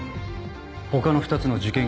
他の２つの事件